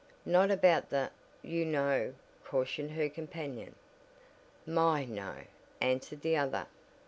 "Not about the you know " cautioned her companion. "My, no," answered the other.